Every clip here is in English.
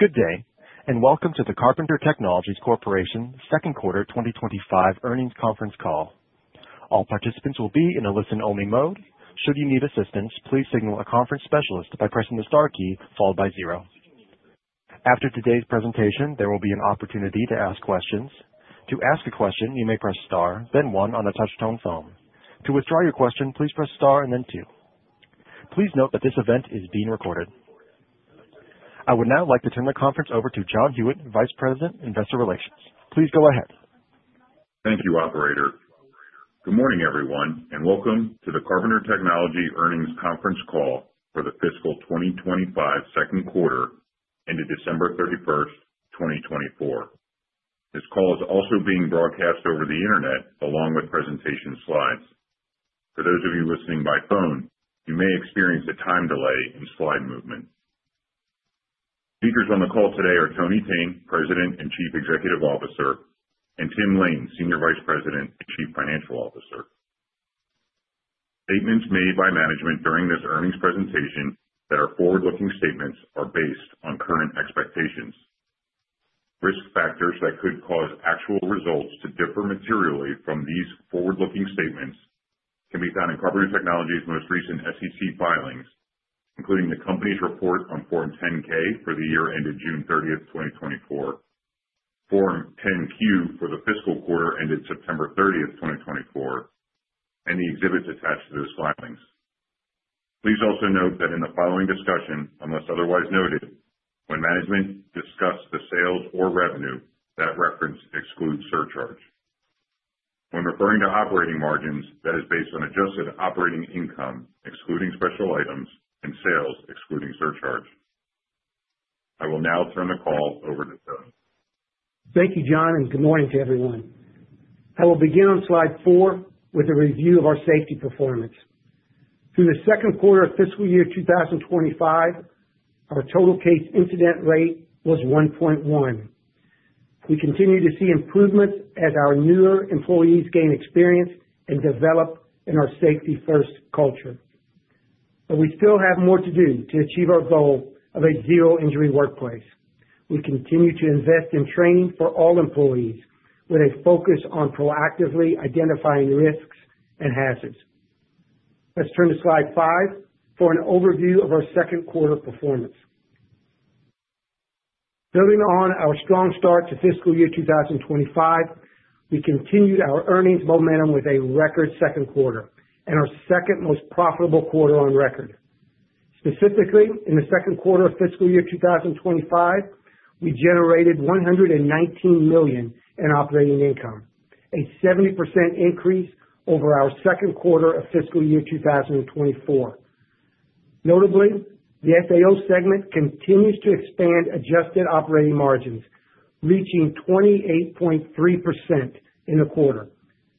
Good day, and welcome to the Carpenter Technology Corporation Q2 2025 earnings conference call. All participants will be in a listen-only mode. Should you need assistance, please signal a conference specialist by pressing the star key followed by zero. After today's presentation, there will be an opportunity to ask questions. To ask a question, you may press star, then one on a touch-tone phone. To withdraw your question, please press star and then two. Please note that this event is being recorded. I would now like to turn the conference over to John Hewitt, Vice President, Investor Relations. Please go ahead. Thank you, Operator. Good morning, everyone, and welcome to the Carpenter Technology earnings conference call for the fiscal 2025 Q2 ended December 31, 2024. This call is also being broadcast over the internet along with presentation slides. For those of you listening by phone, you may experience a time delay in slide movement. Speakers on the call today are Tony Thene, President and Chief Executive Officer, and Tim Lain, Senior Vice President and Chief Financial Officer. Statements made by management during this earnings presentation that are forward-looking statements are based on current expectations. Risk factors that could cause actual results to differ materially from these forward-looking statements can be found in Carpenter Technology's most recent SEC filings, including the company's report on Form 10-K for the year ended June 30th, 2024, Form 10-Q for the fiscal quarter ended September 30th, 2024, and the exhibits attached to those filings. Please also note that in the following discussion, unless otherwise noted, when management discussed the sales or revenue, that reference excludes surcharge. When referring to operating margins, that is based on adjusted operating income excluding special items and sales excluding surcharge. I will now turn the call over to Tony. Thank you, John, and good morning to everyone. I will begin on slide four with a review of our safety performance. Through the second quarter of fiscal year 2025, our total case incident rate was 1.1. We continue to see improvements as our newer employees gain experience and develop in our safety-first culture. But we still have more to do to achieve our goal of a zero-injury workplace. We continue to invest in training for all employees with a focus on proactively identifying risks and hazards. Let's turn to slide five for an overview of our second quarter performance. Building on our strong start to fiscal year 2025, we continued our earnings momentum with a record Q2 and our second most profitable quarter on record. Specifically, in the Q2 of fiscal year 2025, we generated $119 million in operating income, a 70% increase over our second quarter of fiscal year 2024. Notably, the SAO segment continues to expand adjusted operating margins, reaching 28.3% in the quarter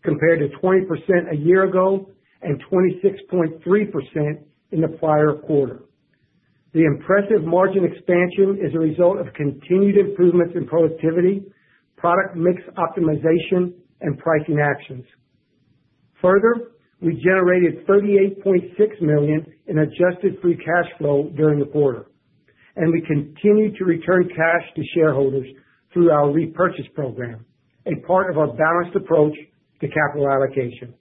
compared to 20% a year ago and 26.3% in the prior quarter. The impressive margin expansion is a result of continued improvements in productivity, product mix optimization, and pricing actions. Further, we generated $38.6 million in adjusted free cash flow during the quarter, and we continue to return cash to shareholders through our repurchase program, a part of our balanced approach to capital allocation.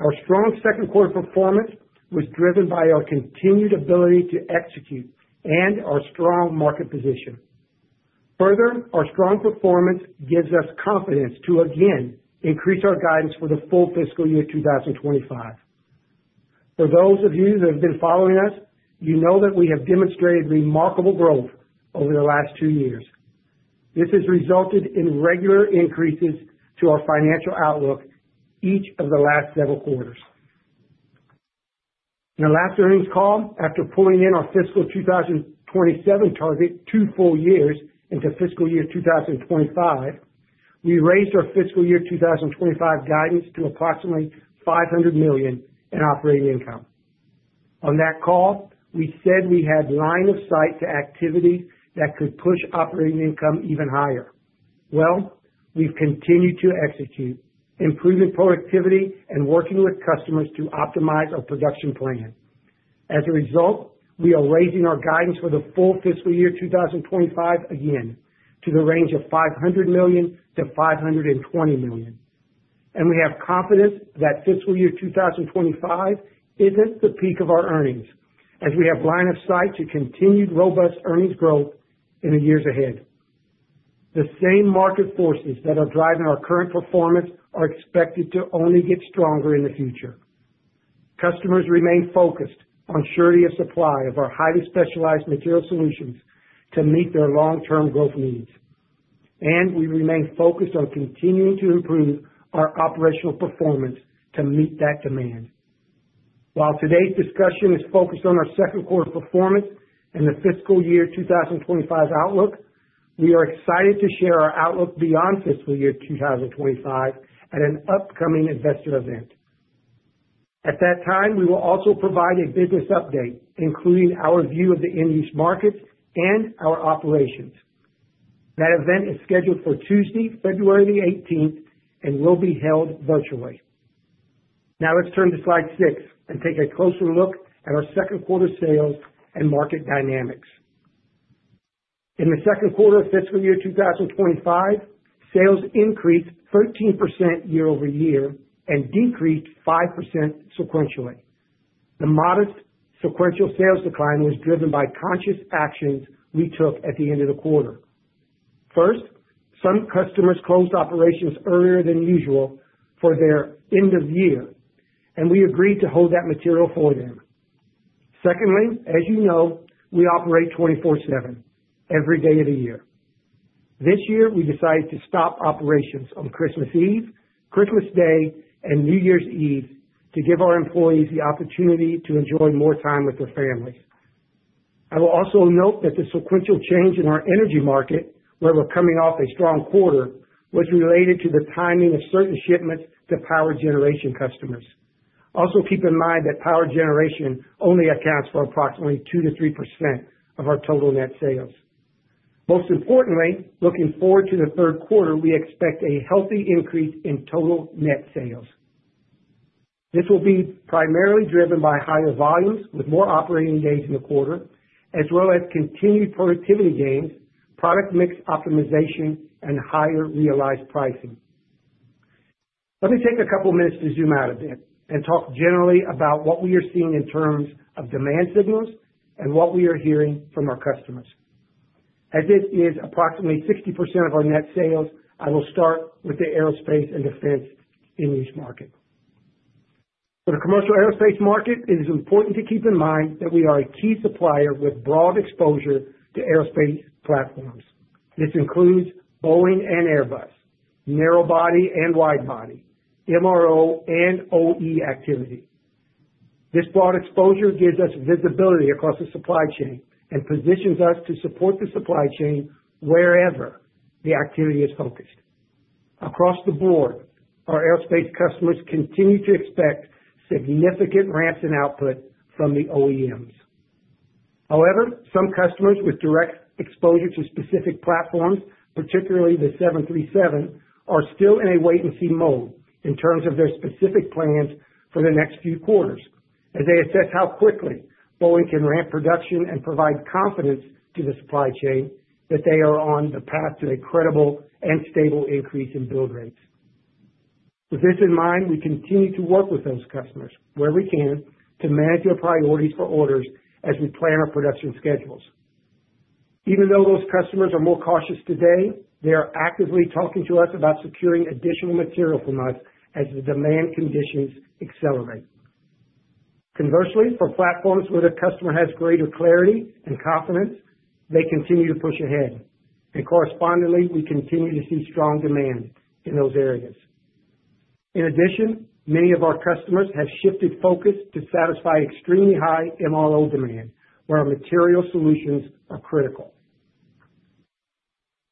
Our strong Q2 performance was driven by our continued ability to execute and our strong market position. Further, our strong performance gives us confidence to again increase our guidance for the full fiscal year 2025. For those of you that have been following us, you know that we have demonstrated remarkable growth over the last 2 years. This has resulted in regular increases to our financial outlook each of the last several quarters. In our last earnings call, after pulling in our fiscal 2027 target 2 full years into fiscal year 2025, we raised our fiscal year 2025 guidance to approximately $500 million in operating income. On that call, we said we had line of sight to activity that could push operating income even higher. We've continued to execute, improving productivity and working with customers to optimize our production plan. As a result, we are raising our guidance for the full fiscal year 2025 again to the range of $500 million to $520 million. We have confidence that fiscal year 2025 isn't the peak of our earnings, as we have line of sight to continued robust earnings growth in the years ahead. The same market forces that are driving our current performance are expected to only get stronger in the future. Customers remain focused on surety of supply of our highly specialized material solutions to meet their long-term growth needs. We remain focused on continuing to improve our operational performance to meet that demand. While today's discussion is focused on our Q2 performance and the fiscal year 2025 outlook, we are excited to share our outlook beyond fiscal year 2025 at an upcoming investor event. At that time, we will also provide a business update, including our view of the end-use markets and our operations. That event is scheduled for Tuesday, February the 18th, and will be held virtually. Now let's turn to slide six and take a closer look at our second quarter sales and market dynamics. In the Q2 of fiscal year 2025, sales increased 13% year over year and decreased 5% sequentially. The modest sequential sales decline was driven by conscious actions we took at the end of the quarter. First, some customers closed operations earlier than usual for their end of year, and we agreed to hold that material for them. Secondly, as you know, we operate 24/7, every day of the year. This year, we decided to stop operations on Christmas Eve, Christmas Day, and New Year's Eve to give our employees the opportunity to enjoy more time with their families. I will also note that the sequential change in our energy market, where we're coming off a strong quarter, was related to the timing of certain shipments to power generation customers. Also keep in mind that power generation only accounts for approximately 2%-3% of our total net sales. Most importantly, looking forward to the third quarter, we expect a healthy increase in total net sales. This will be primarily driven by higher volumes with more operating gains in the quarter, as well as continued productivity gains, product mix optimization, and higher realized pricing. Let me take a couple of minutes to zoom out a bit and talk generally about what we are seeing in terms of demand signals and what we are hearing from our customers. As it is approximately 60% of our net sales, I will start with the aerospace and defense end-use market. For the commercial aerospace market, it is important to keep in mind that we are a key supplier with broad exposure to aerospace platforms. This includes Boeing and Airbus, narrow-body and wide-body, MRO and OE activity. This broad exposure gives us visibility across the supply chain and positions us to support the supply chain wherever the activity is focused. Across the board, our aerospace customers continue to expect significant ramps in output from the OEMs. However, some customers with direct exposure to specific platforms, particularly the 737, are still in a wait-and-see mode in terms of their specific plans for the next few quarters, as they assess how quickly Boeing can ramp production and provide confidence to the supply chain that they are on the path to a credible and stable increase in build rates. With this in mind, we continue to work with those customers where we can to manage our priorities for orders as we plan our production schedules. Even though those customers are more cautious today, they are actively talking to us about securing additional material from us as the demand conditions accelerate. Conversely, for platforms where the customer has greater clarity and confidence, they continue to push ahead, and correspondingly, we continue to see strong demand in those areas. In addition, many of our customers have shifted focus to satisfy extremely high MRO demand, where our material solutions are critical.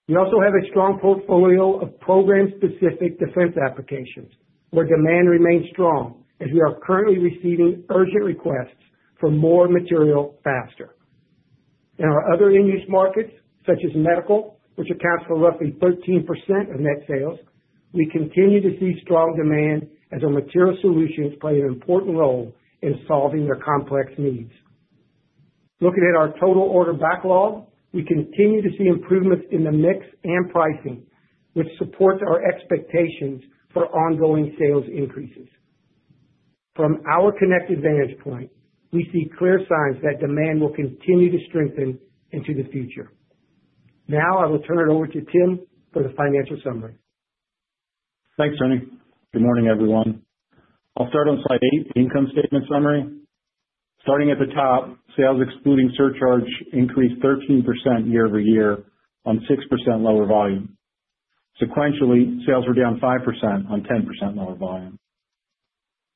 We also have a strong portfolio of program-specific defense applications, where demand remains strong as we are currently receiving urgent requests for more material faster. In our other end-use markets, such as medical, which accounts for roughly 13% of net sales, we continue to see strong demand as our material solutions play an important role in solving their complex needs. Looking at our total order backlog, we continue to see improvements in the mix and pricing, which supports our expectations for ongoing sales increases. From our connected vantage point, we see clear signs that demand will continue to strengthen into the future. Now I will turn it over to Tim for the financial summary. Thanks, Tony. Good morning, everyone. I'll start on slide eight, the income statement summary. Starting at the top, sales excluding surcharge increased 13% year over year on 6% lower volume. Sequentially, sales were down 5% on 10% lower volume.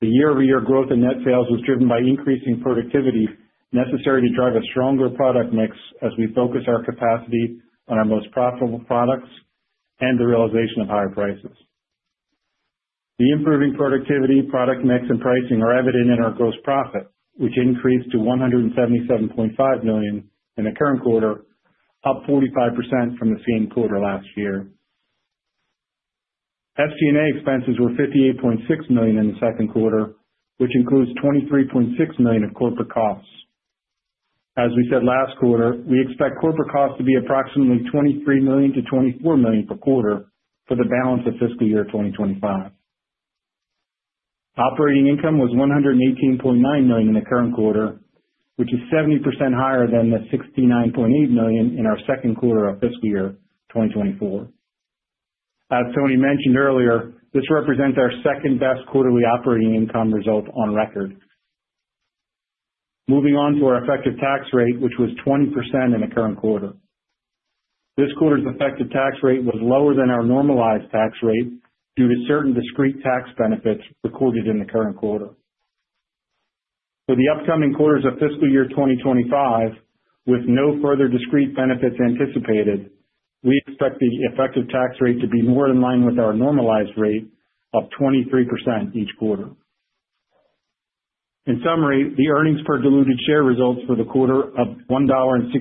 The year-over-year growth in net sales was driven by increasing productivity necessary to drive a stronger product mix as we focus our capacity on our most profitable products and the realization of higher prices. The improving productivity, product mix, and pricing are evident in our gross profit, which increased to $177.5 million in the current quarter, up 45% from the same quarter last year. FC&A expenses were $58.6 million in the Q2, which includes $23.6 million of corporate costs. As we said last quarter, we expect corporate costs to be approximately $23-$24 million per quarter for the balance of fiscal year 2025. Operating income was $118.9 million in the current quarter, which is 70% higher than the $69.8 million in our second quarter of fiscal year 2024. As Tony mentioned earlier, this represents our second-best quarterly operating income result on record. Moving on to our effective tax rate, which was 20% in the current quarter. This quarter's effective tax rate was lower than our normalized tax rate due to certain discrete tax benefits recorded in the current quarter. For the upcoming quarters of fiscal year 2025, with no further discrete benefits anticipated, we expect the effective tax rate to be more in line with our normalized rate of 23% each quarter. In summary, the earnings per diluted share results for the quarter of $1.66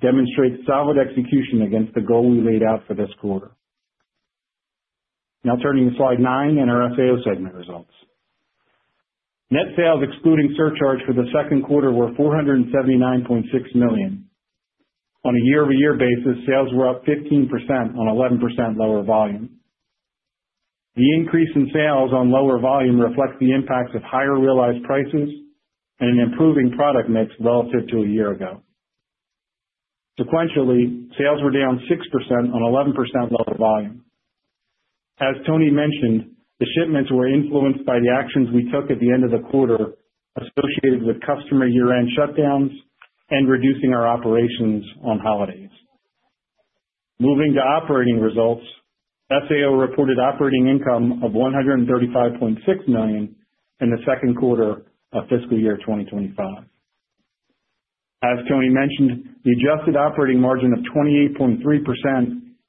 demonstrate solid execution against the goal we laid out for this quarter. Now turning to slide nine and our SAO segment results. Net sales excluding surcharge for the second quarter were $479.6 million. On a year-over-year basis, sales were up 15% on 11% lower volume. The increase in sales on lower volume reflects the impacts of higher realized prices and an improving product mix relative to a year ago. Sequentially, sales were down 6% on 11% lower volume. As Tony mentioned, the shipments were influenced by the actions we took at the end of the quarter associated with customer year-end shutdowns and reducing our operations on holidays. Moving to operating results, FAO reported operating income of $135.6 million in the Q2 of fiscal year 2025. As Tony mentioned, the adjusted operating margin of 28.3%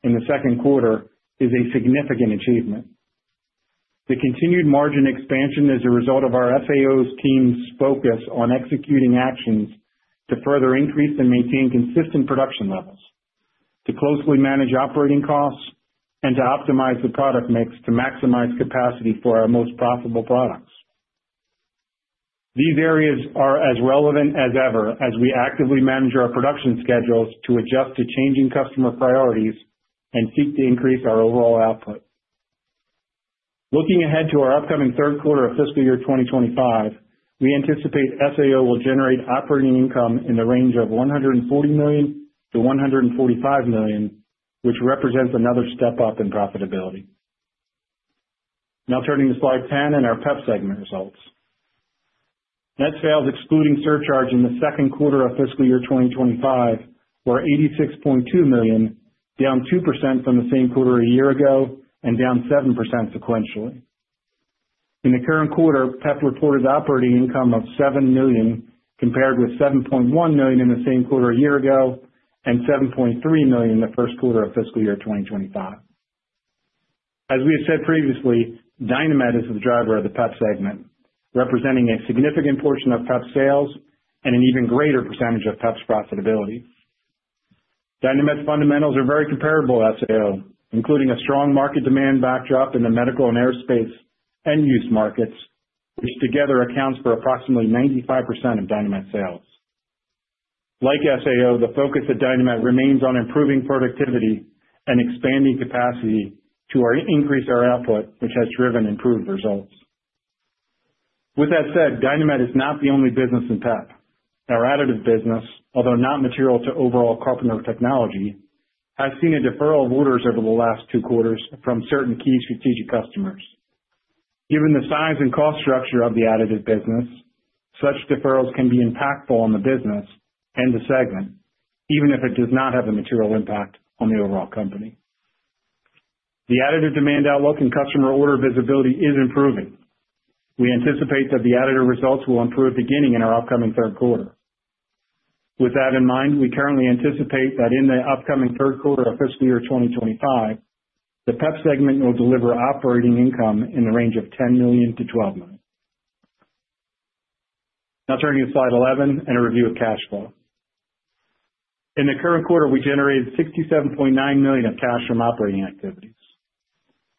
in the Q2 is a significant achievement. The continued margin expansion is a result of our SAO's team's focus on executing actions to further increase and maintain consistent production levels, to closely manage operating costs, and to optimize the product mix to maximize capacity for our most profitable products. These areas are as relevant as ever as we actively manage our production schedules to adjust to changing customer priorities and seek to increase our overall output. Looking ahead to our upcoming Q3 of fiscal year 2025, we anticipate SAO will generate operating income in the range of $140 million-$145 million, which represents another step up in profitability. Now turning to slide 10 and our PEP segment results. Net sales excluding surcharge in the Q2 of fiscal year 2025 were $86.2 million, down 2% from the same quarter a year ago and down 7% sequentially. In the current quarter, PEP reported operating income of $7 million compared with $7.1 million in the same quarter a year ago and $7.3 million in the Q1 of fiscal year 2025. As we have said previously, Dynamet is the driver of the PEP segment, representing a significant portion of PEP sales and an even greater percentage of PEP's profitability. Dynamet's fundamentals are very comparable to SAO, including a strong market demand backdrop in the medical and aerospace end-use markets, which together accounts for approximately 95% of Dynamite sales. Like SAO, the focus at Dynamite remains on improving productivity and expanding capacity to increase our output, which has driven improved results. With that said, Dynamite is not the only business in PEP. Our additive business, although not material to overall Carpenter Technology, has seen a deferral of orders over the last two quarters from certain key strategic customers. Given the size and cost structure of the additive business, such deferrals can be impactful on the business and the segment, even if it does not have a material impact on the overall company. The additive demand outlook and customer order visibility is improving. We anticipate that the additive results will improve beginning in our upcoming Q3. With that in mind, we currently anticipate that in the upcoming third quarter of fiscal year 2025, the PEP segment will deliver operating income in the range of $10 million to $12 million. Now turning to slide 11 and a review of cash flow. In the current quarter, we generated $67.9 million of cash from operating activities.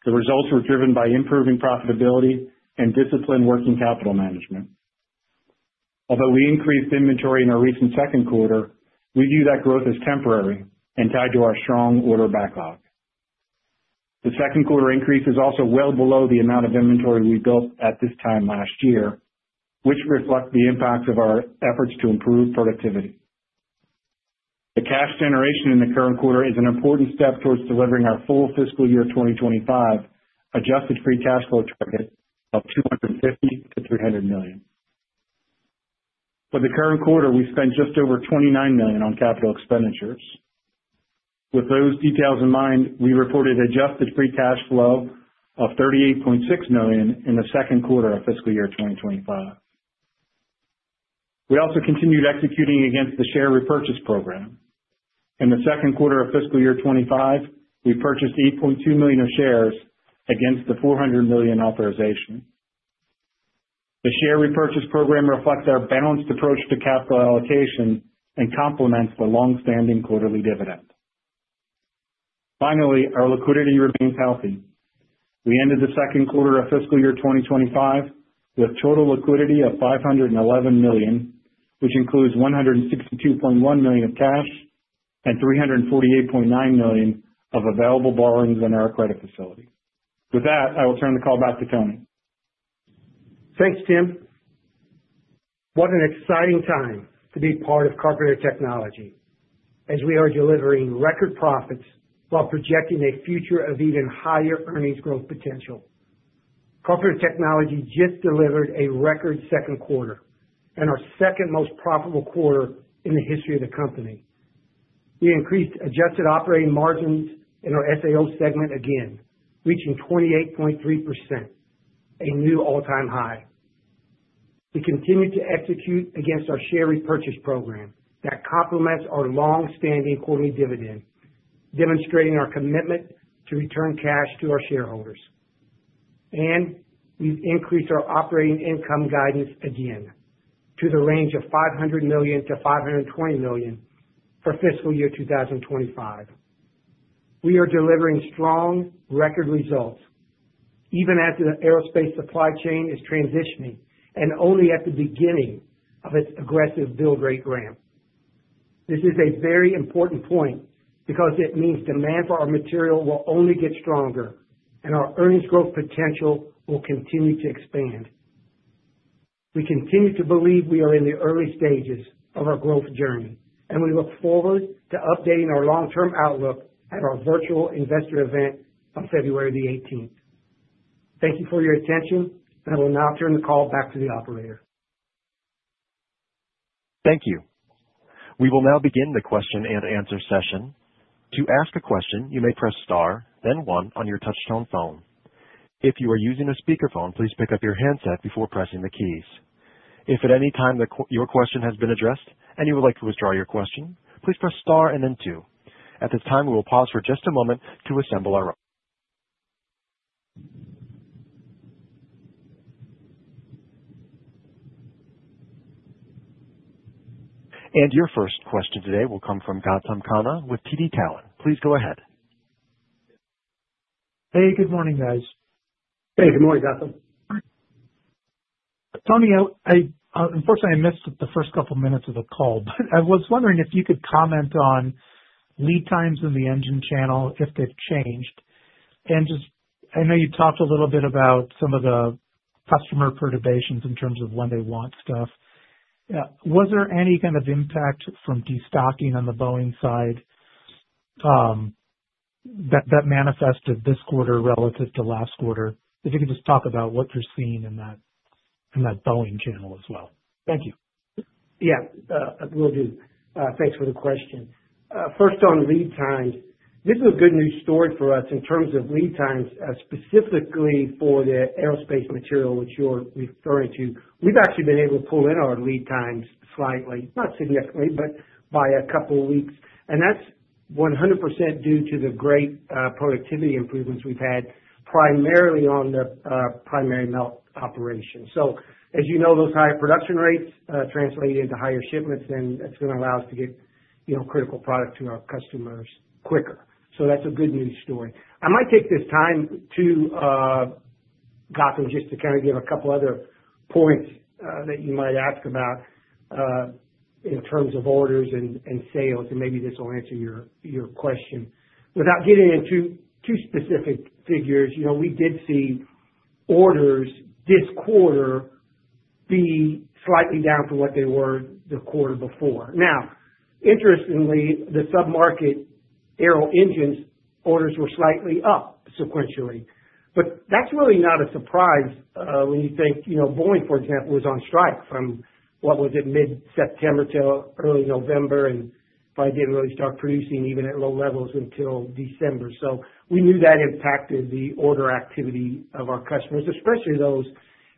The results were driven by improving profitability and disciplined working capital management. Although we increased inventory in our recent Q2, we view that growth as temporary and tied to our strong order backlog. The Q2 increase is also well below the amount of inventory we built at this time last year, which reflects the impact of our efforts to improve productivity. The cash generation in the current quarter is an important step towards delivering our full fiscal year 2025 adjusted free cash flow target of $250 million-$300 million. For the current quarter, we spent just over $29 million on capital expenditures. With those details in mind, we reported adjusted free cash flow of $38.6 million in the Q2 of fiscal year 2025. We also continued executing against the share repurchase program. In the Q2 of fiscal year 2025, we purchased $8.2 million of shares against the $400 million authorization. The share repurchase program reflects our balanced approach to capital allocation and complements the long-standing quarterly dividend. Finally, our liquidity remains healthy. We ended the Q2 of fiscal year 2025 with total liquidity of $511 million, which includes $162.1 million of cash and $348.9 million of available borrowings in our credit facility. With that, I will turn the call back to Tony. Thanks, Tim. What an exciting time to be part of Carpenter Technology as we are delivering record profits while projecting a future of even higher earnings growth potential. Carpenter Technology just delivered a record Q2 and our second most profitable quarter in the history of the company. We increased adjusted operating margins in our SAO segment again, reaching 28.3%, a new all-time high. We continue to execute against our share repurchase program that complements our long-standing quarterly dividend, demonstrating our commitment to return cash to our shareholders. And we've increased our operating income guidance again to the range of $500 million-$520 million for fiscal year 2025. We are delivering strong record results even as the aerospace supply chain is transitioning and only at the beginning of its aggressive build rate ramp. This is a very important point because it means demand for our material will only get stronger and our earnings growth potential will continue to expand. We continue to believe we are in the early stages of our growth journey, and we look forward to updating our long-term outlook at our virtual investor event on February the 18th. Thank you for your attention, and I will now turn the call back to the operator. Thank you. We will now begin the question and answer session. To ask a question, you may press star, then one on your touch-tone phone. If you are using a speakerphone, please pick up your handset before pressing the keys. If at any time your question has been addressed and you would like to withdraw your question, please press star and then two. At this time, we will pause for just a moment to assemble our... And your first question today will come from Gautam Khanna with TD Cowen. Please go ahead. Hey, good morning, guys. Hey, good morning, Gautam. Tony, unfortunately, I missed the first couple of minutes of the call, but I was wondering if you could comment on lead times in the engine channel, if they've changed. And I know you talked a little bit about some of the customer perturbations in terms of when they want stuff. Was there any kind of impact from destocking on the Boeing side that manifested this quarter relative to last quarter? If you could just talk about what you're seeing in that Boeing channel as well. Thank you. Yeah, will do. Thanks for the question. First, on lead times, this is a good news story for us in terms of lead times, specifically for the aerospace material, which you're referring to. We've actually been able to pull in our lead times slightly, not significantly, but by a couple of weeks. And that's 100% due to the great productivity improvements we've had primarily on the primary melt operation. So as you know, those higher production rates translate into higher shipments, and it's going to allow us to get critical product to our customers quicker. So that's a good news story. I might take this time too, Gautam, just to kind of give a couple of other points that you might ask about in terms of orders and sales, and maybe this will answer your question. Without getting into too specific figures, we did see orders this quarter be slightly down from what they were the quarter before. Now, interestingly, the submarket aero engines orders were slightly up sequentially. But that's really not a surprise when you think Boeing, for example, was on strike from, what was it, mid-September to early November, and probably didn't really start producing even at low levels until December. So we knew that impacted the order activity of our customers, especially those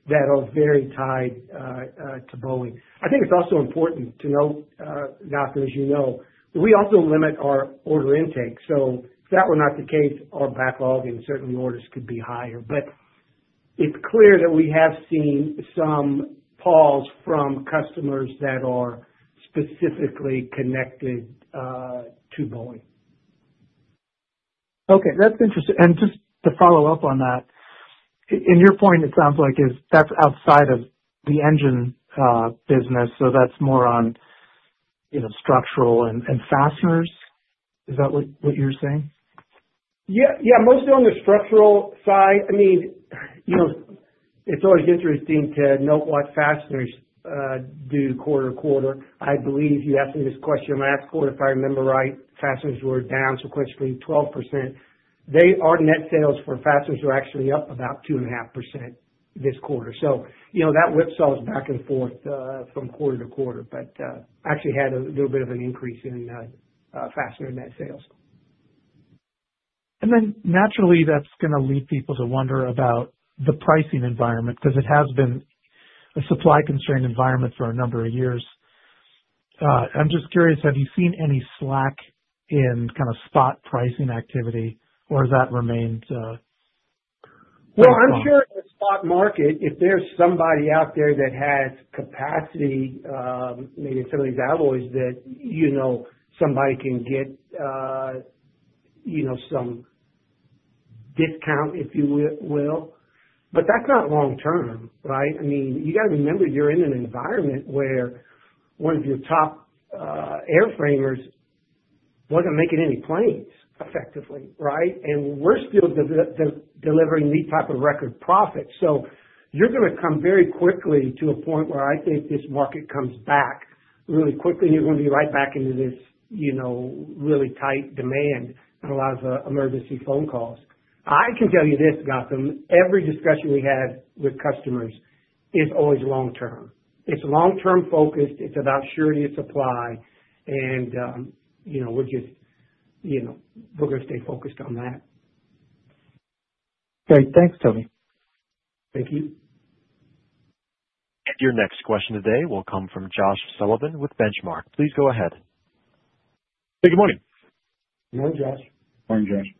that are very tied to Boeing. I think it's also important to note, Gautam, as you know, we also limit our order intake. So if that were not the case, our backlog and certainly orders could be higher. But it's clear that we have seen some pause from customers that are specifically connected to Boeing. Okay. That's interesting. And just to follow up on that, in your point, it sounds like that's outside of the engine business, so that's more on structural and fasteners. Is that what you're saying? Yeah, mostly on the structural side. I mean, it's always interesting to note what fasteners do quarter to quarter. I believe you asked me this question last quarter, if I remember right, fasteners were down sequentially 12%. Our net sales for fasteners were actually up about 2.5% this quarter. So that whipsaws back and forth from quarter to quarter, but actually had a little bit of an increase in fastener net sales. And then naturally, that's going to lead people to wonder about the pricing environment because it has been a supply-concerned environment for a number of years. I'm just curious. Have you seen any slack in kind of spot pricing activity, or has that remained? I'm sure in the spot market, if there's somebody out there that has capacity, maybe some of these alloys that somebody can get some discount, if you will. But that's not long-term, right? I mean, you got to remember you're in an environment where one of your top airframers wasn't making any planes effectively, right? And we're still delivering these types of record profits. So you're going to come very quickly to a point where I think this market comes back really quickly, and you're going to be right back into this really tight demand that allows emergency phone calls. I can tell you this, Gautam, every discussion we had with customers is always long-term. It's long-term focused. It's about surety of supply, and we're just going to stay focused on that. Great. Thanks, Tony. Thank you. Your next question today will come from Josh Sullivan with Benchmark. Please go ahead. Hey, good morning. Morning, Josh. Morning,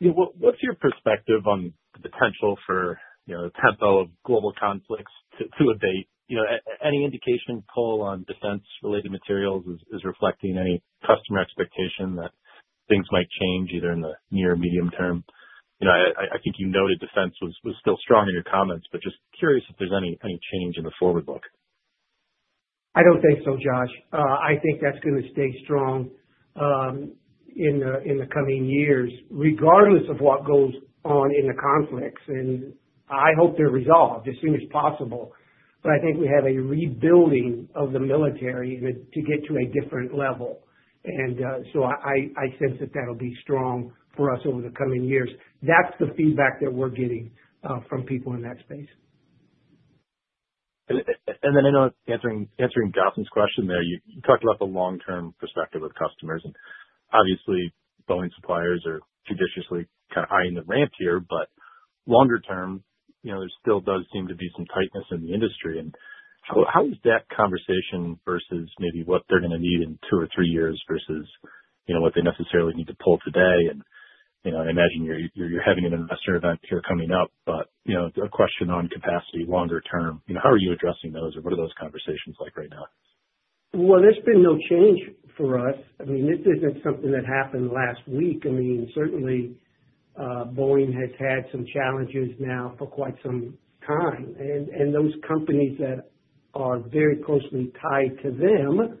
Josh. What's your perspective on the potential for the tempo of global conflicts to abate? Any indication at all on defense-related materials is reflecting any customer expectation that things might change either in the near or medium term? I think you noted defense was still strong in your comments, but just curious if there's any change in the forward look. I don't think so, Josh. I think that's going to stay strong in the coming years, regardless of what goes on in the conflicts. And I hope they're resolved as soon as possible. But I think we have a rebuilding of the military to get to a different level. And so I sense that that'll be strong for us over the coming years. That's the feedback that we're getting from people in that space. And then I know, answering Gautam's question there, you talked about the long-term perspective of customers. Obviously, Boeing suppliers are judiciously kind of eyeing the ramp here, but longer term, there still does seem to be some tightness in the industry. How is that conversation versus maybe what they're going to need in two or three years versus what they necessarily need to pull today? I imagine you're having an investor event here coming up, but a question on capacity longer term: how are you addressing those, or what are those conversations like right now? There's been no change for us. I mean, this isn't something that happened last week. I mean, certainly, Boeing has had some challenges now for quite some time. Those companies that are very closely tied to them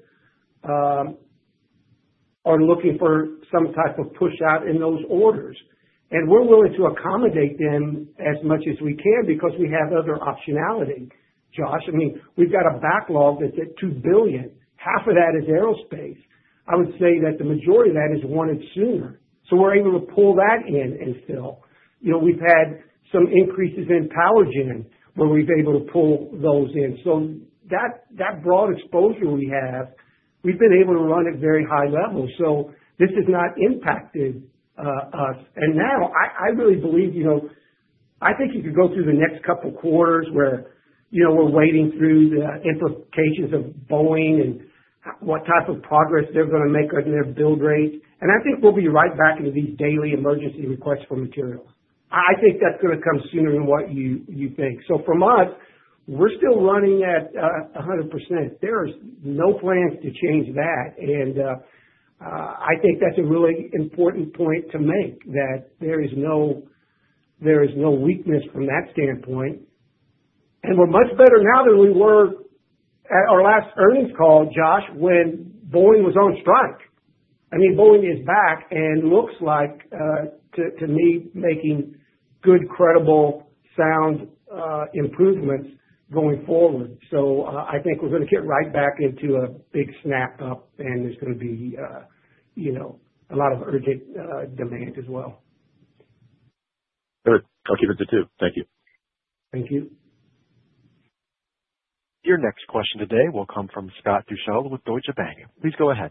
are looking for some type of push-out in those orders. We're willing to accommodate them as much as we can because we have other optionality, Josh. I mean, we've got a backlog that's at $2 billion. Half of that is aerospace. I would say that the majority of that is wanted sooner. We're able to pull that in still. We've had some increases in PowerGen where we've been able to pull those in. That broad exposure we have, we've been able to run at very high level. This has not impacted us. And now, I really believe I think you could go through the next couple of quarters where we're wading through the implications of Boeing and what type of progress they're going to make on their build rate. I think we'll be right back into these daily emergency requests for materials. I think that's going to come sooner than what you think. From us, we're still running at 100%. There is no plans to change that. I think that's a really important point to make that there is no weakness from that standpoint. We're much better now than we were at our last earnings call, Josh, when Boeing was on strike. I mean, Boeing is back and looks like, to me, making good, credible, sound improvements going forward. So I think we're going to get right back into a big snap-up, and there's going to be a lot of urgent demand as well. All right. I'll keep it to two. Thank you. Thank you. Your next question today will come from Scott Deuschle with Deutsche Bank. Please go ahead.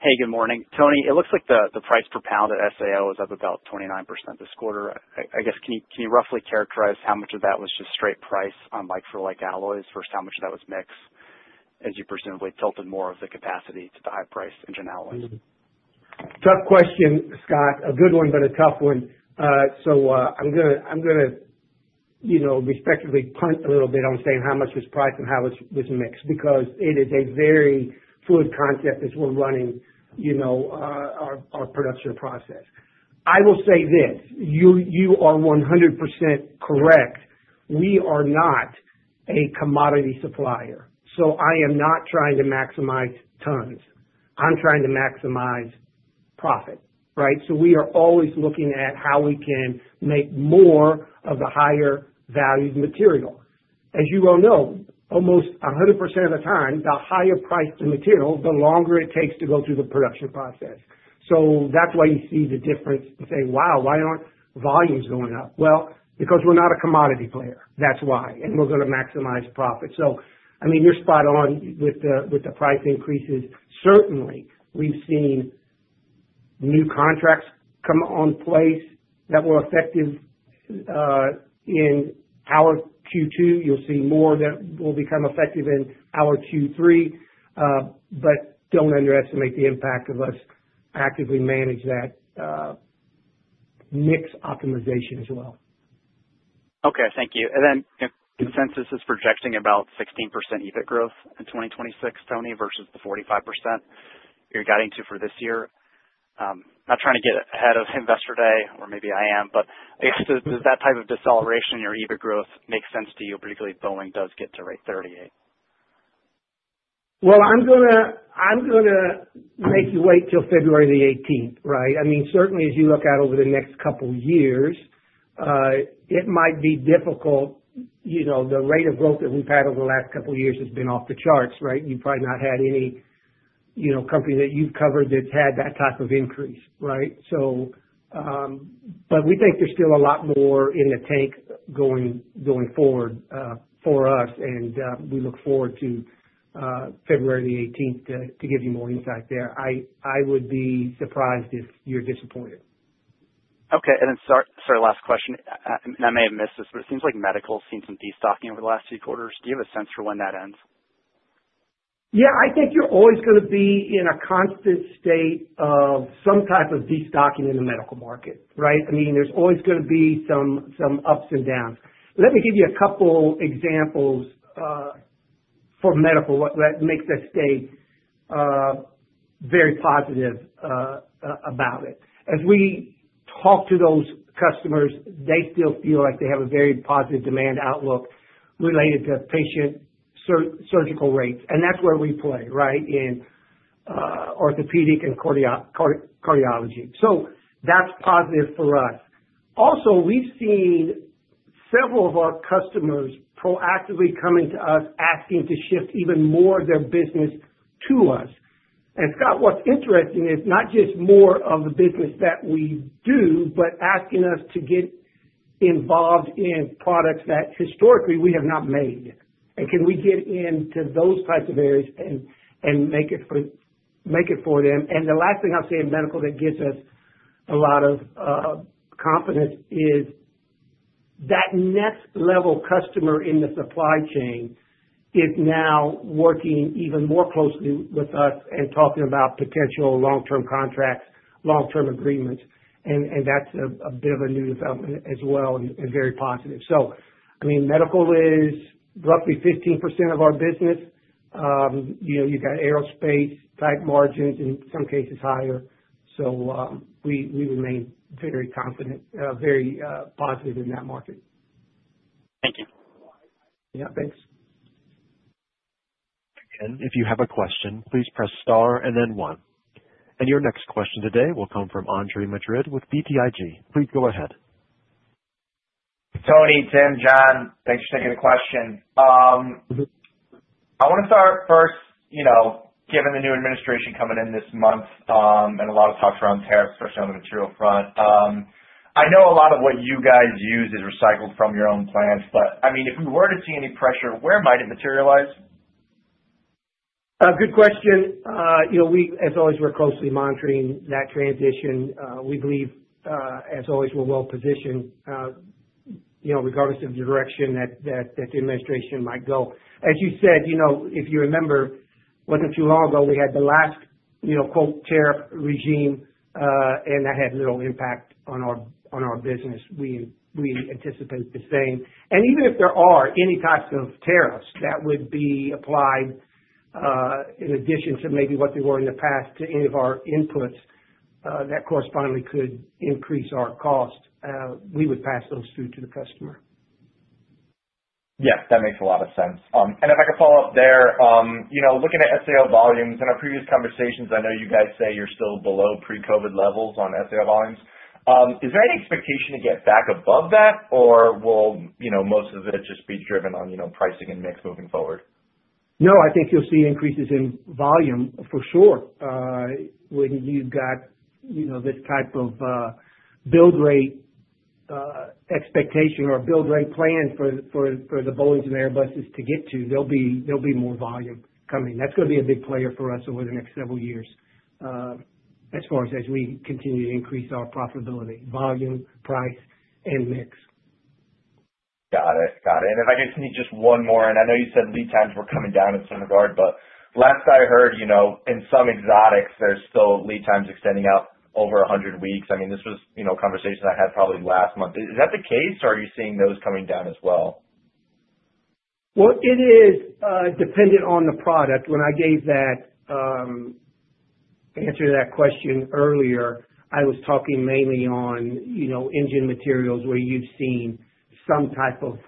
Hey, good morning. Tony, it looks like the price per pound at SAO is up about 29% this quarter. I guess, can you roughly characterize how much of that was just straight price on like-for-like alloys versus how much of that was mix as you presumably tilted more of the capacity to the high-priced engine alloys? Tough question, Scott. A good one, but a tough one. So I'm going to respectfully punt a little bit on saying how much was priced and how it was mixed because it is a very fluid concept as we're running our production process. I will say this. You are 100% correct. We are not a commodity supplier. So I am not trying to maximize tons. I'm trying to maximize profit, right? So we are always looking at how we can make more of the higher-valued material. As you all know, almost 100% of the time, the higher price the material, the longer it takes to go through the production process. So that's why you see the difference and say, "Wow, why aren't volumes going up?" Well, because we're not a commodity player. That's why. And we're going to maximize profit. So I mean, you're spot on with the price increases. Certainly, we've seen new contracts come on place that were effective in our Q2. You'll see more that will become effective in our Q3. But don't underestimate the impact of us actively managing that mix optimization as well. Okay. Thank you. And then consensus is projecting about 16% EBIT growth in 2026, Tony, versus the 45% you're guiding to for this year. Not trying to get ahead of investor day, or maybe I am, but does that type of deceleration in your EBIT growth make sense to you, particularly if Boeing does get to rate 38? I'm going to make you wait till February the 18th, right? I mean, certainly, as you look out over the next couple of years, it might be difficult. The rate of growth that we've had over the last couple of years has been off the charts, right? You've probably not had any company that you've covered that's had that type of increase, right, but we think there's still a lot more in the tank going forward for us, and we look forward to February the 18th to give you more insight there. I would be surprised if you're disappointed. Okay. And then, sorry, last question. And I may have missed this, but it seems like medical has seen some destocking over the last few quarters. Do you have a sense for when that ends? Yeah. I think you're always going to be in a constant state of some type of destocking in the medical market, right? I mean, there's always going to be some ups and downs. Let me give you a couple of examples for medical that makes us stay very positive about it. As we talk to those customers, they still feel like they have a very positive demand outlook related to patient surgical rates. And that's where we play, right, in orthopedic and cardiology. So that's positive for us. Also, we've seen several of our customers proactively coming to us asking to shift even more of their business to us. And Scott, what's interesting is not just more of the business that we do, but asking us to get involved in products that historically we have not made. And can we get into those types of areas and make it for them? And the last thing I'll say in medical that gives us a lot of confidence is that next-level customer in the supply chain is now working even more closely with us and talking about potential long-term contracts, long-term agreements. And that's a bit of a new development as well and very positive. So I mean, medical is roughly 15% of our business. You've got aerospace-type margins, in some cases higher. So we remain very confident, very positive in that market. Thank you. Yeah, thanks. Again, if you have a question, please press star and then one. And your next question today will come from Andre Madrid with BTIG. Please go ahead. Tony, Tim, John, thanks for taking the question. I want to start first, given the new administration coming in this month and a lot of talk around tariffs, especially on the material front. I know a lot of what you guys use is recycled from your own plants, but I mean, if we were to see any pressure, where might it materialize? Good question. As always, we're closely monitoring that transition. We believe, as always, we're well-positioned regardless of the direction that the administration might go. As you said, if you remember, wasn't too long ago, we had the last, quote, tariff regime, and that had little impact on our business. We anticipate the same. And even if there are any types of tariffs that would be applied in addition to maybe what they were in the past to any of our inputs that correspondingly could increase our cost, we would pass those through to the customer. Yeah. That makes a lot of sense, and if I could follow up there, looking at SAO volumes, in our previous conversations, I know you guys say you're still below pre-COVID levels on SAO volumes. Is there any expectation to get back above that, or will most of it just be driven on pricing and mix moving forward? No, I think you'll see increases in volume for sure. When you've got this type of build rate expectation or build rate plan for the Boeing and Airbus to get to, there'll be more volume coming. That's going to be a big player for us over the next several years as far as we continue to increase our profitability, volume, price, and mix. Got it. Got it. And if I could just need just one more, and I know you said lead times were coming down in some regard, but last I heard, in some exotics, there's still lead times extending out over 100 weeks. I mean, this was a conversation I had probably last month. Is that the case, or are you seeing those coming down as well? It is dependent on the product. When I gave that answer to that question earlier, I was talking mainly on engine materials where you've seen some type of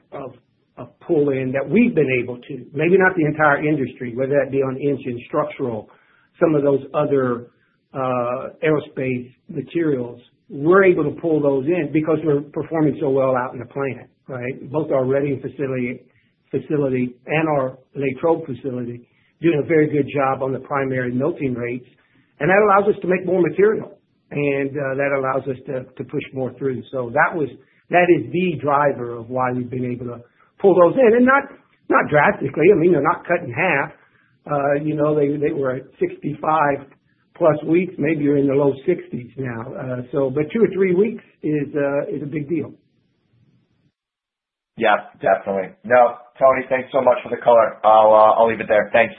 pull-in that we've been able to, maybe not the entire industry, whether that be on engine, structural, some of those other aerospace materials. We're able to pull those in because we're performing so well out in the plant, right? Both our Reading facility and our Latrobe facility doing a very good job on the primary melting rates. And that allows us to make more material. And that allows us to push more through. So that is the driver of why we've been able to pull those in. And not drastically. I mean, they're not cut in half. They were at 65 plus weeks. Maybe you're in the low 60s now. But two or three weeks is a big deal. Yeah. Definitely. No, Tony, thanks so much for the color. I'll leave it there. Thanks.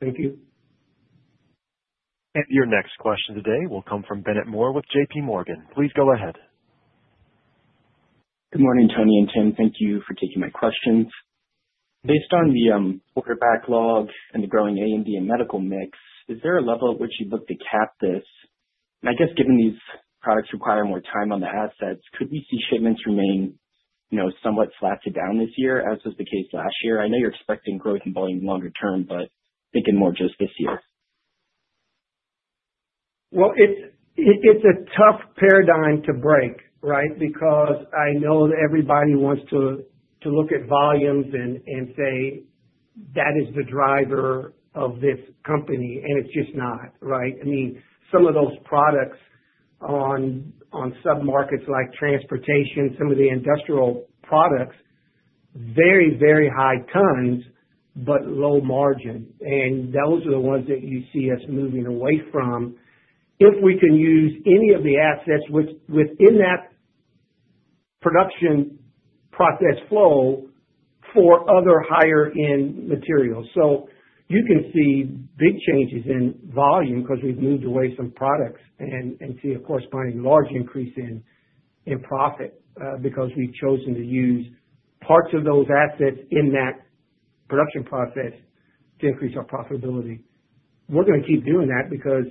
Thank you. And your next question today will come from Bennett Moore with J.P. Morgan. Please go ahead. Good morning, Tony and Tim. Thank you for taking my questions. Based on the order backlog and the growing A&D and medical mix, is there a level at which you'd look to cap this? And I guess given these products require more time on the assets, could we see shipments remain somewhat flat to down this year, as was the case last year? I know you're expecting growth in volume longer term, but thinking more just this year. Well, it's a tough paradigm to break, right? Because I know that everybody wants to look at volumes and say, "That is the driver of this company." And it's just not, right? I mean, some of those products on sub-markets like transportation, some of the industrial products, very, very high tons, but low margin. And those are the ones that you see us moving away from. If we can use any of the assets within that production process flow for other higher-end materials. So you can see big changes in volume because we've moved away from products and see a corresponding large increase in profit because we've chosen to use parts of those assets in that production process to increase our profitability. We're going to keep doing that because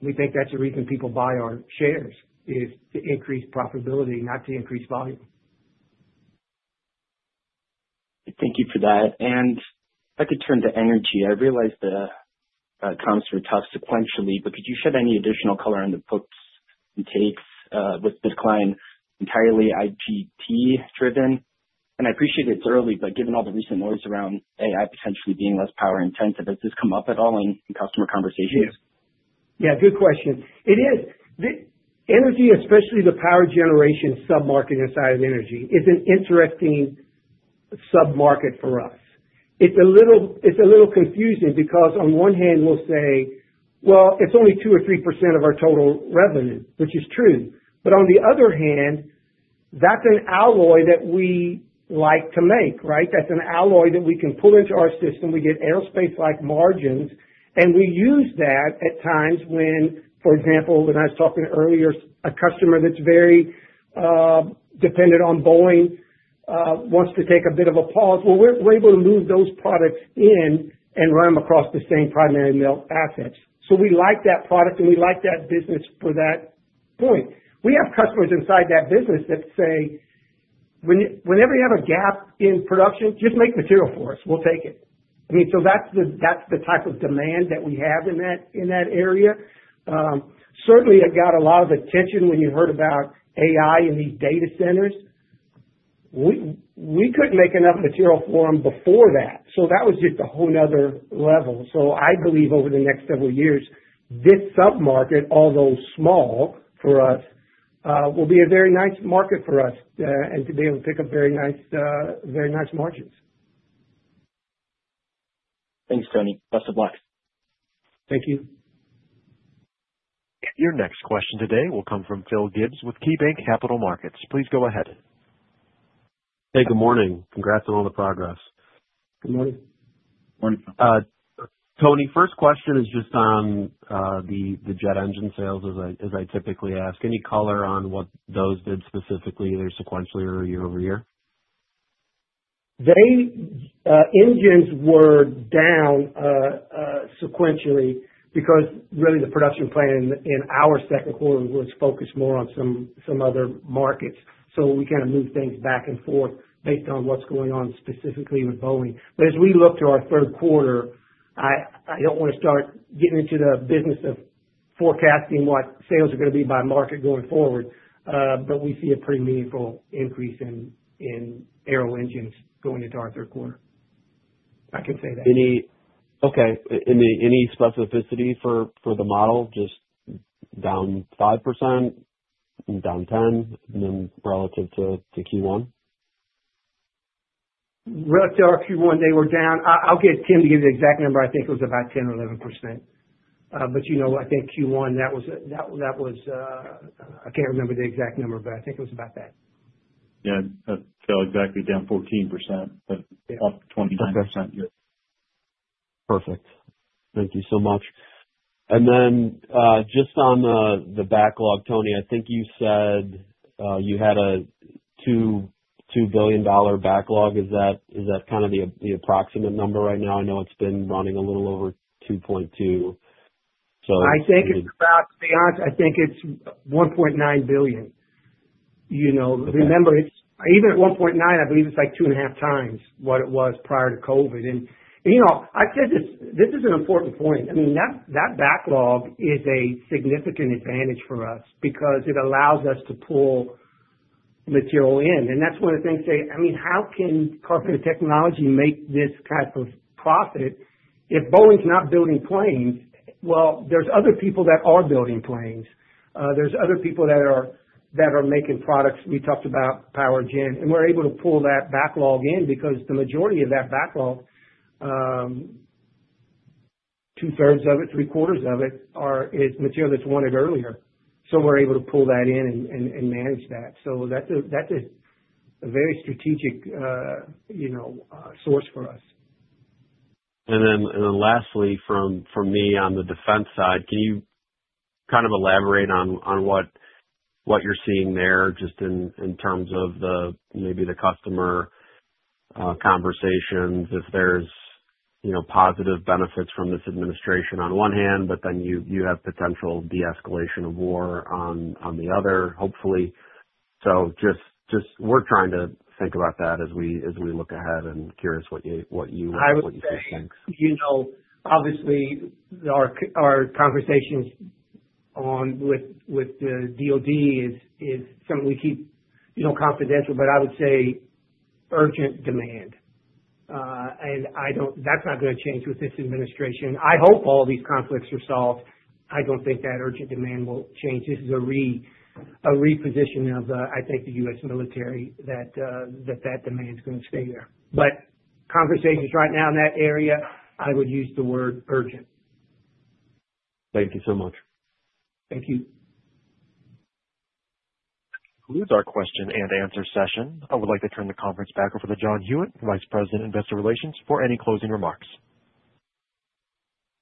we think that's the reason people buy our shares is to increase profitability, not to increase volume. Thank you for that. And if I could turn to energy, I realize the comments were tough sequentially, but could you shed any additional color on the bookings and outlook, but is it entirely IGT-driven? And I appreciate it's early, but given all the recent noise around AI potentially being less power-intensive, has this come up at all in customer conversations? Yeah. Good question. It is. Energy, especially the power generation sub-market inside of energy, is an interesting sub-market for us. It's a little confusing because on one hand, we'll say, "Well, it's only 2 or 3% of our total revenue," which is true. But on the other hand, that's an alloy that we like to make, right? That's an alloy that we can pull into our system. We get aerospace-like margins. And we use that at times when, for example, when I was talking earlier, a customer that's very dependent on Boeing wants to take a bit of a pause. Well, we're able to move those products in and run them across the same primary mill assets. So we like that product, and we like that business for that point. We have customers inside that business that say, "Whenever you have a gap in production, just make material for us. We'll take it." I mean, so that's the type of demand that we have in that area. Certainly, it got a lot of attention when you heard about AI in these data centers. We couldn't make enough material for them before that. So that was just a whole nother level. So I believe over the next several years, this sub-market, although small for us, will be a very nice market for us and to be able to pick up very nice margins. Thanks, Tony. Best of luck. Thank you. And your next question today will come from Phil Gibbs with KeyBank Capital Markets. Please go ahead. Hey, good morning. Congrats on all the progress. Good morning. Morning Tony, first question is just on the jet engine sales, as I typically ask. Any color on what those did specifically, either sequentially or year over year? The engines were down sequentially because really the production plan in our Q2 was focused more on some other markets. So we kind of moved things back and forth based on what's going on specifically with Boeing. But as we look to our Q3, I don't want to start getting into the business of forecasting what sales are going to be by market going forward, but we see a pretty meaningful increase in aero engines going into our third quarter. I can say that. Okay. Any specificity for the model? Just down 5%, down 10%, and then relative to Q1? Relative to our Q1, they were down. I'll get Tim to give you the exact number. I think it was about 10% or 11%. But I think Q1, that was—I can't remember the exact number, but I think it was about that. Yeah. That fell exactly down 14%, but up 29%. Perfect. Thank you so much. And then just on the backlog, Tony, I think you said you had a $2 billion backlog. Is that kind of the approximate number right now? I know it's been running a little over 2.2, so. I think it's about, to be honest, I think it's $1.9 billion. Remember, even at 1.9, I believe it's like two and a half times what it was prior to COVID, and I said this is an important point. I mean, that backlog is a significant advantage for us because it allows us to pull material in, and that's one of the things they, I mean, how can Carpenter Technology make this type of profit if Boeing's not building planes? Well, there's other people that are building planes. There's other people that are making products. We talked about PowerGen, and we're able to pull that backlog in because the majority of that backlog, 2/3 of it, Q3 of it, is material that's wanted earlier. So we're able to pull that in and manage that. So that's a very strategic source for us. And then lastly, from me on the defense side, can you kind of elaborate on what you're seeing there just in terms of maybe the customer conversations, if there's positive benefits from this administration on one hand, but then you have potential de-escalation of war on the other, hopefully? So just we're trying to think about that as we look ahead and curious what you think. I would say, obviously, our conversations with the DoD is something we keep confidential, but I would say urgent demand. That's not going to change with this administration. I hope all these conflicts are solved. I don't think that urgent demand will change. This is a repositioning of, I think, the US military that that demand's going to stay there. Conversations right now in that area, I would use the word urgent. Thank you so much. Thank you. We'll close our question and answer session. I would like to turn the conference back over to John Hewitt, Vice President, Investor Relations, for any closing remarks.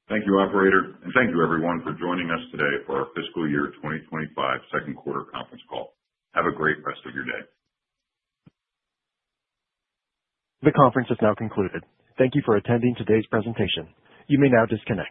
Thank you, Operator. Thank you, everyone, for joining us today for our Fiscal Year 2025 Q2 Conference Call. Have a great rest of your day. The conference has now concluded. Thank you for attending today's presentation. You may now disconnect.